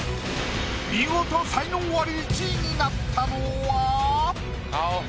見事才能アリ１位になったのは⁉顔。